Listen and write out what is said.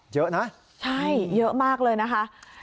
เยอะนะใช่เยอะมากเลยนะคะ